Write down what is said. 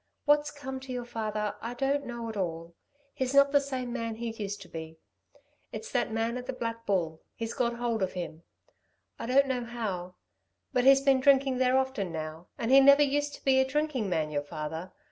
What's come to your father I don't know at all. He's not the same man he used to be. It's that man at the Black Bull. He's got hold of him I don't know how ... but he's been drinking there often now, and he never used to be a drinking man your father.